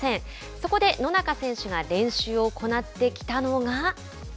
そこで野中選手が練習を行ってきたのが。